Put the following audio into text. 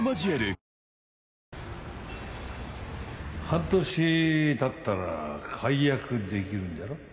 半年たったら解約できるんじゃろ